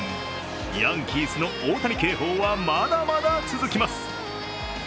ヤンキースの大谷警報はまだまだ続きます。